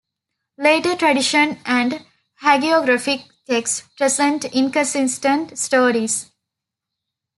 Later tradition and hagiographic texts present inconsistent stories.